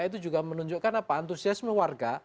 itu juga menunjukkan apa antusiasme warga